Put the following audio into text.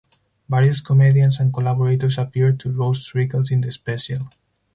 Various comedians and collaborators appeared to roast Rickles in the special.